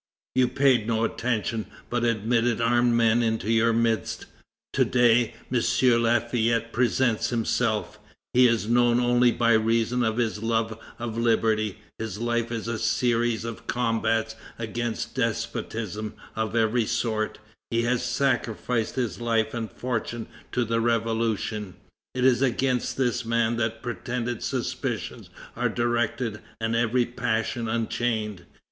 You paid no attention, but admitted armed men into your midst. To day M. Lafayette presents himself; he is known only by reason of his love of liberty; his life is a series of combats against despotisms of every sort; he has sacrificed his life and fortune to the Revolution. It is against this man that pretended suspicions are directed and every passion unchained.